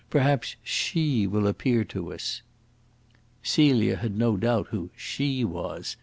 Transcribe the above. perhaps SHE will appear to us." Celia had no doubt who "she" was.